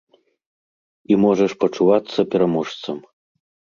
І можаш пачувацца пераможцам.